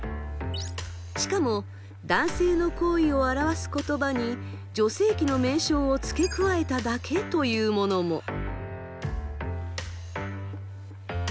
しかも男性の行為を表す言葉に女性器の名称を付け加えただけというものも。